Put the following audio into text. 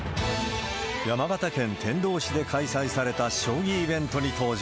山形県天童市で開催された将棋イベントに登場。